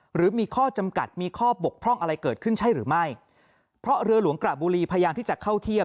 หรือมีข้อจำกัดมีข้อบกพร่องอะไรเกิดขึ้นใช่หรือไม่เพราะเรือหลวงกระบุรีพยายามที่จะเข้าเทียบ